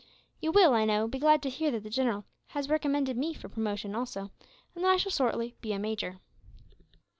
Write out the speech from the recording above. You will, I know, be glad to hear that the general has recommended me for promotion, also; and that I shall shortly be a major."